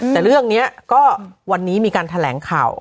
แต่เรื่องนี้ก็วันนี้มีการแถลงข่าว